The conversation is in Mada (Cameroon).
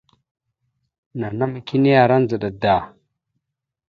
Nanama kini ara ndzəɗa da.